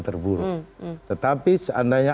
terburuk tetapi seandainya